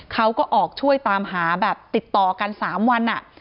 เขาก็ออกช่วยตามหาแบบติดต่อกัน๓วัน